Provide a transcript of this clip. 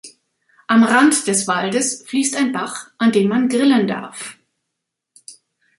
Am Rand des Waldes fließt ein Bach, an dem man grillen darf.